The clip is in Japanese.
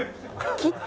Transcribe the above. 切った。